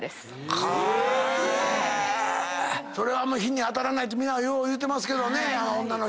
あんま日に当たらないってみんなよう言うてますけどね。